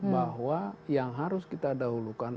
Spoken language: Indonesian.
bahwa yang harus kita dahulukan